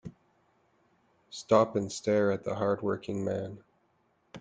Stop and stare at the hard working man.